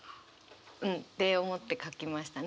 うん。って思って書きましたね。